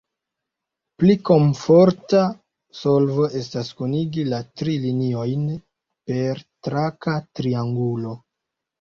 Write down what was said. Pli komforta solvo estas kunigi la tri liniojn per traka triangulo.